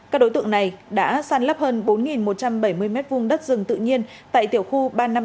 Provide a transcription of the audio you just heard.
các đối tượng này đã săn lấp hơn bốn một trăm bảy mươi m hai đất rừng tự nhiên tại tiểu khu ba trăm năm mươi bốn